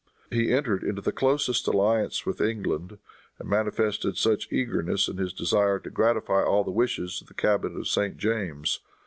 He entered into the closest alliance with England, and manifested much eagerness in his desire to gratify all the wishes of the cabinet of St. James.